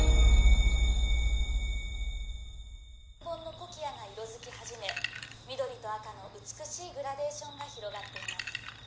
コキアが色づき始め緑と赤の美しいグラデーションが広がっています